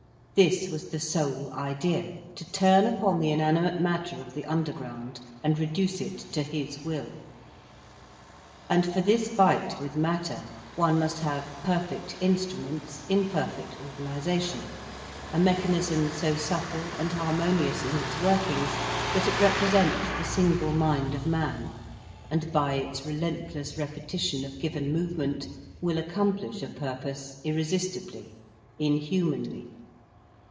This was the sole idea, to turn upon the inanimate matter of the underground, and reduce it to his will. And for this fight with matter, one must have perfect instruments in perfect organisation, a mechanism so subtle and harmonious in its workings that it represents the single mind of man, and by its relentless repetition of given movement, will accomplish a purpose irresistibly, inhumanly.